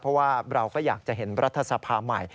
เพราะว่าเราก็อยากจะเห็นรัฐสภาใหม่